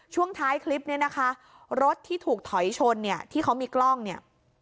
ช่วงท้ายคลิปเนี่ยนะคะรถที่ถูกถอยชนเนี่ยที่เขามีกล้องเนี่ย